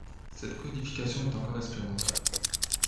Cette codification est encore expérimentale.